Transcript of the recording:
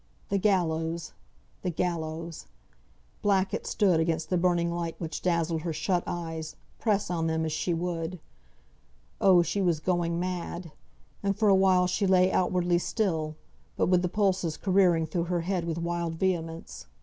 The gallows! The gallows! Black it stood against the burning light which dazzled her shut eyes, press on them as she would. Oh! she was going mad; and for awhile she lay outwardly still, but with the pulses careering through her head with wild vehemence.